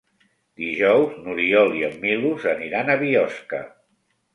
Dijous n'Oriol i en Milos aniran a Biosca.